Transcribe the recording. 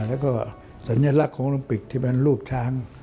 แล้วก็สัญลักษณ์ของโลมปิกที่เป็นรูปช้าง